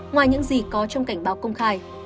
ngoài những gì có trong cảnh báo công khai